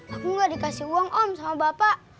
aku gak dikasih uang om sama bapak